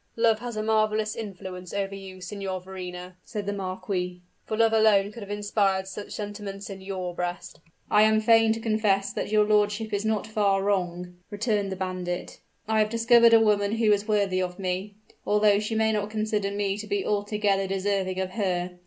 "Love has a marvelous influence over you, Signor Verrina," said the marquis; "for love alone could have inspired such sentiments in your breast." "I am fain to confess that your lordship is not far wrong," returned the bandit. "I have discovered a woman who is worthy of me although she may not consider me to be altogether deserving of her.